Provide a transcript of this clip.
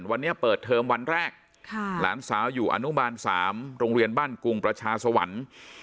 วันนี้เปิดเทอมวันแรกหลานสาวอยู่อนุบาล๓โรงเรียนบ้านกรุงประชาสวรรค์